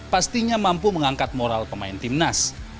pastinya mampu mengangkat moral pemain timnas